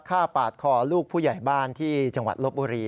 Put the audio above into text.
ปาดคอลูกผู้ใหญ่บ้านที่จังหวัดลบบุรี